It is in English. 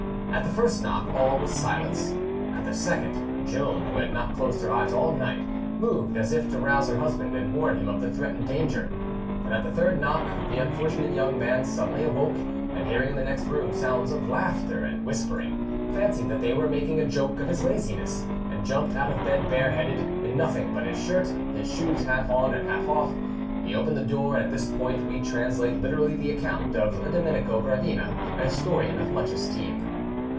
At the first knock, all was silence; at the second, Joan, who had not closed her eyes all night, moved as if to rouse her husband and warn him of the threatened danger; but at the third knock the unfortunate young man suddenly awoke, and hearing in the next room sounds of laughter and whispering, fancied that they were making a joke of his laziness, and jumped out of bed bareheaded, in nothing but his shirt, his shoes half on and half off. He opened the door; and at this point we translate literally the account of Domenico Gravina, a historian of much esteem.